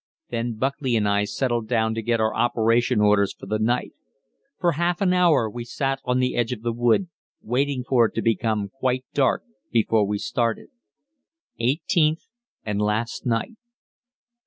Then Buckley and I settled down to get our operation orders for the night. For half an hour we sat on the edge of the wood, waiting for it to become quite dark before we started. _Eighteenth and Last Night.